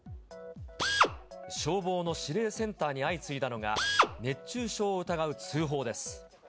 消防の指令センターに相次いだのは、熱中症を疑う通報です。